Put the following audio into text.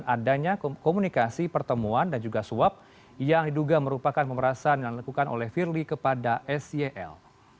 dan adanya komunikasi pertemuan dan juga suap yang duga merupakan pemberantasan yang dilakukan oleh firly kepada sel